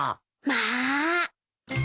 まあ。